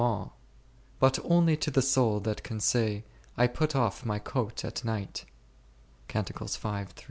23 but only to the soul that can say, I put off my coat at night e